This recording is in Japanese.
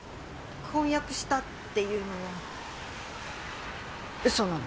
婚約したって言うのは嘘なの。